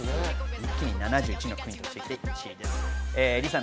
一気に７１の国と地域で１位です。